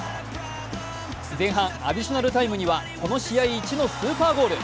前半アディショナルタイムにはこの試合一のスーパーゴール。